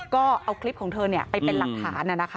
ก็เอาคลิปของเธอไปเป็นหลักฐาน